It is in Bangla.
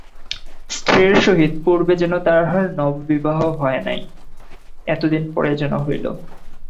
স্ত্রীর সহিত পূর্বে যেন তাহার নববিবাহ হয় নাই, এতদিন পরে যেন হইল।